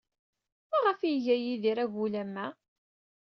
Maɣef ay iga Yidir agul am wa?